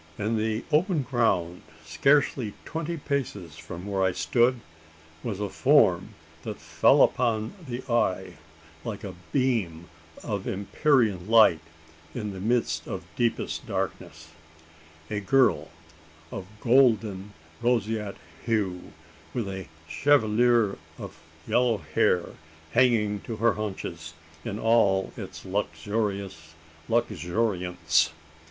In the open ground, scarcely twenty paces from where I stood, was a form that fell upon the eye like a beam of empyrean light in the midst of deepest darkness a girl of golden roseate hue, with a chevelure of yellow hair hanging to her haunches in all its lustrous luxuriance!